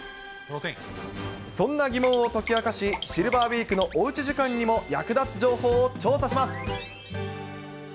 そんな疑問を解き明かし、シルバーウィークのおうち時間にも役立つ情報を調査します。